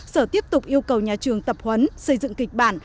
sở tiếp tục yêu cầu nhà trường tập huấn xây dựng kịch bản